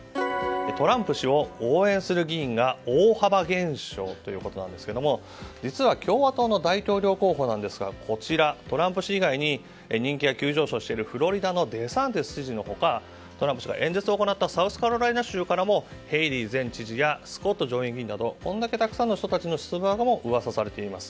トランプ氏を応援する議員が大幅減少ということですが実は共和党の大統領候補なんですがトランプ氏以外に人気が急上昇しているフロリダのデサンティス知事の他トランプ氏が演説を行ったサウスカロライナ州からもヘイリー前知事やスコット上院議員などたくさんの人たちの出馬も噂されています。